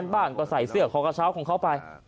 ๔๐๐๐๕๐๐๐บ้านก็ใส่เสื้อคอกะเช้าของเขาไป